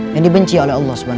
yang dibenci oleh allah swt